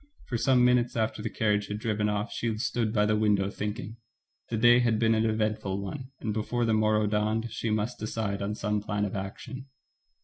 For some minutes after the carriage had driven off she stood by the window, thinking. The day had been an eventful one, and before the morrow dawned she must decide on some plan of action.